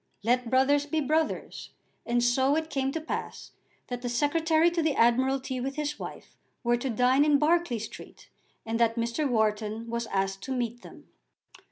Let brothers be brothers. And so it came to pass that the Secretary to the Admiralty with his wife were to dine in Berkeley Street, and that Mr. Wharton was asked to meet them.